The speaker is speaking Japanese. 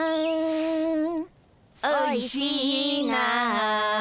「おいしいな」